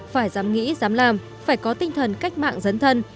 phải dám nghĩ dám làm phải có tinh thần cách mạng dấn thân